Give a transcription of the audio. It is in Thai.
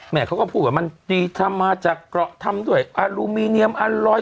เขาก็พูดว่ามันดีทำมาจากเกราะทำด้วยอลูมิเนียมอร้อย